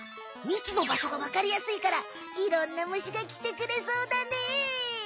みつのばしょがわかりやすいからいろんな虫がきてくれそうだね！